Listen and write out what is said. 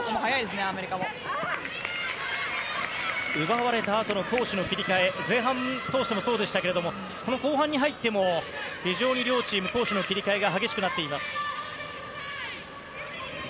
奪われたあとの攻守の切り替え前半通してもそうでしたけど後半に入っても非常に両チーム攻守の切り替えが激しくなっています。